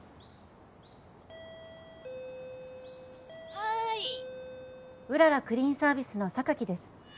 はーいうららクリーンサービスの榊です